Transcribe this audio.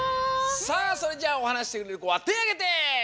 さあそれじゃあおはなししてくれるこはてあげて！